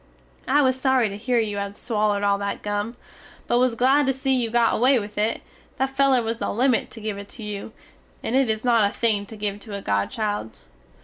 I was sory to hear you had swallerd all that gum, but was glad to see you got away with it, that feler was the limit to give it to you, it is not a thing to give to a godchild.